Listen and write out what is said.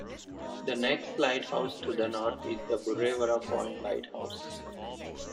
The next lighthouse to the north is the Burrewarra Point lighthouse.